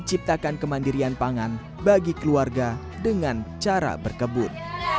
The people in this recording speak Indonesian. ciptakan kemandirian pangan bagi keluarga dengan cara berkebut